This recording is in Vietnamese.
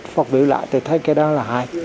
phát biểu lại tôi thấy cái đó là hài